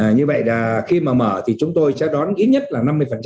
như vậy là khi mà mở thì chúng tôi sẽ đón ít nhất là năm mươi